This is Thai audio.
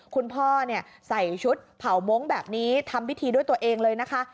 คุณพ่อใส่ชุดเผามงค์แบบนี้ทำพิธีด้วยตัวเองเลยนะคะ